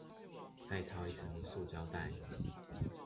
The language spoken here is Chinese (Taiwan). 再套一層塑膠袋